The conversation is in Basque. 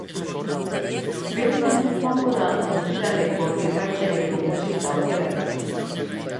Bere kontu joango da ostiraleko irratsaioko musika aukeraketa.